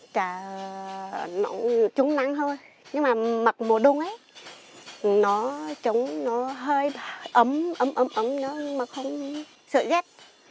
trà nóng trúng nắng hơi nhưng mà mặt mùa đông ấy nó trúng nó hơi ấm ấm ấm ấm nữa mà không sợ ghét